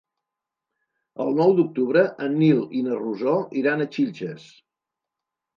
El nou d'octubre en Nil i na Rosó iran a Xilxes.